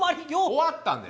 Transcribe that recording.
終わったんで。